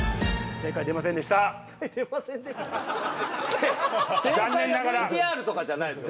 正解のＶＴＲとかじゃないんですか？